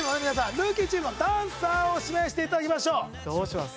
ルーキーチームのダンサーを指名していただきましょうどうします？